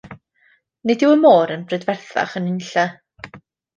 Nid yw y môr yn brydferthach yn unlle.